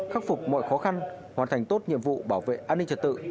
khắc phục mọi khó khăn hoàn thành tốt nhiệm vụ bảo vệ an ninh trật tự